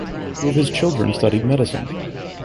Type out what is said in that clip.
Two of his children studied medicine.